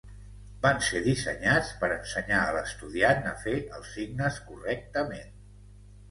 Van ser dissenyats per ensenyar a l'estudiant a fer els signes correctament.